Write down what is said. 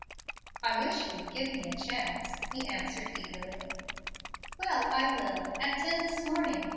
"I wish you would give me a chance," he answered eagerly. "Well, I will, at ten this morning.